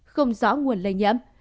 không rõ nguồn lây nhiễm